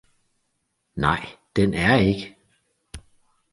Nej, den er ikke!